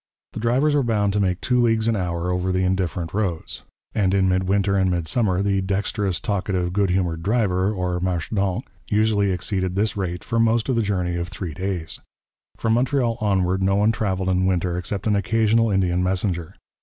The drivers were bound to make two leagues an hour over the indifferent roads, and in midwinter and midsummer the dexterous, talkative, good humoured driver, or marche donc, usually exceeded this rate for most of the journey of three days. From Montreal onward no one travelled in winter except an occasional Indian messenger.